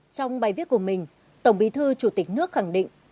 trong bài viết của mình tổng bí thư chủ tịch nước khẳng định